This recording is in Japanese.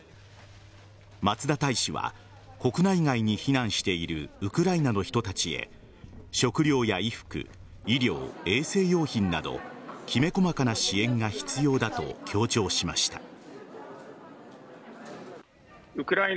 松田大使は国内外に避難しているウクライナの人たちへ食料や衣服、医療・衛生用品などきめ細かな支援が必要だと強調しました。